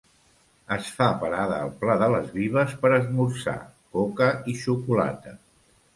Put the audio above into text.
Es fa parada al pla de les Vives per esmorzar, coca i xocolata.